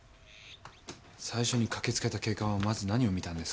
最初に駆けつけた警官はまず何を見たんですかね？